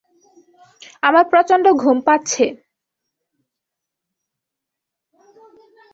আমার প্রচণ্ড ঘুম পাচ্ছে।